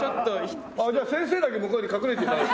じゃあ先生だけ向こうに隠れて頂いて。